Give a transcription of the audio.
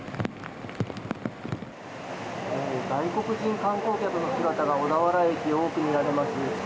外国人観光客の姿が小田原駅、多く見られます。